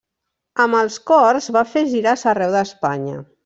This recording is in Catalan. Amb els cors va fer gires arreu d'Espanya.